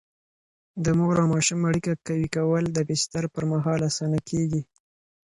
د مور او ماشوم اړیکه قوي کول د بستر پر مهال اسانه کېږي.